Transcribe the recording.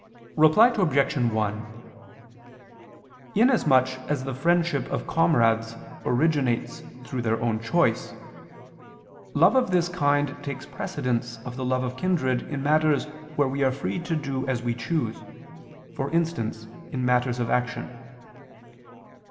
Reply Obj. 1: In as much as the friendship of comrades originates through their own choice, love of this kind takes precedence of the love of kindred in matters where we are free to do as we choose, for instance in matters of action.